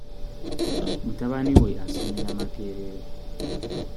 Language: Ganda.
Mutabani we asomera Makerere.